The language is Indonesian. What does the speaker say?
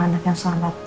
anak yang selamat